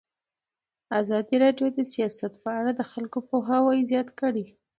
ازادي راډیو د سیاست په اړه د خلکو پوهاوی زیات کړی.